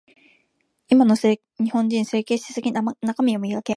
今の日本人、整形しすぎ。中身を磨け。